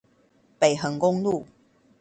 北橫公路